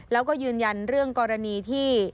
แล้วก็ยืนยันเรื่องกรณีที่